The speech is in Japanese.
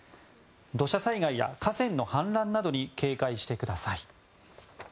土砂災害や河川の氾濫などに警戒してください。